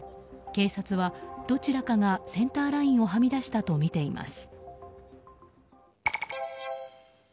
警察はどちらかがセンターラインをはみ出したとみています。